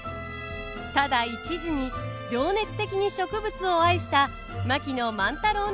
ただいちずに情熱的に植物を愛した槙野万太郎の冒険が始まります！